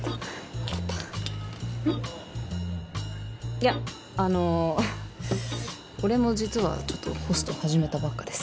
いやあの俺も実はちょっとホスト始めたばっかでさ。